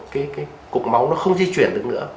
cái cục máu nó không di chuyển được nữa